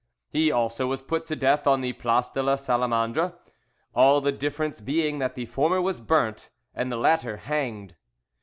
He also was put to death on the Place de la Salamandre, all the difference being that the former was burnt and the latter hanged.